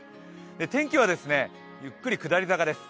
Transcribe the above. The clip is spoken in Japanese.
天気はゆっくり下り坂です。